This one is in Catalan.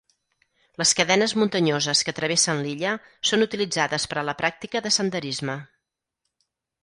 Les cadenes muntanyoses que travessen l'illa són utilitzades per a la pràctica de senderisme.